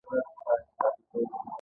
د چابهار بندر د افغانستان لپاره مهم دی.